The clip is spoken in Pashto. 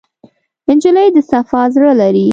نجلۍ د صفا زړه لري.